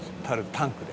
「タンクで。